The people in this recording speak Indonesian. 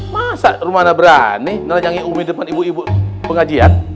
masa rumana berani nelanjangi ummi depan ibu ibu pengajian